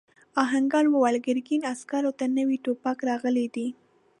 آهنګر وویل ګرګین عسکرو ته نوي ټوپک راغلی دی.